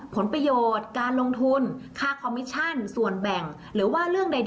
ผลประโยชน์การลงทุนค่าคอมมิชชั่นส่วนแบ่ง